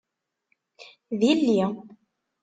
D illi.